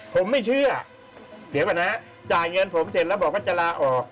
ผมไม่เชื่อเดี๋ยวก่อนนะจ่ายเงินผมเสร็จแล้วบอกว่าจะลาออก